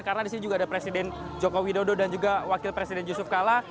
karena di sini juga ada presiden joko widodo dan juga wakil presiden yusuf kalla